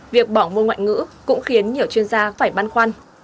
việc bỏ môn ngoại ngữ cũng khiến nhiều chuyên gia phải băn khoăn